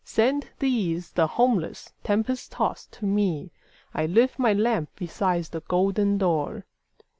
Send these, the homeless, tempest tost to me,I lift my lamp beside the golden door!"